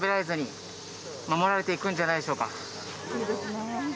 いいですね。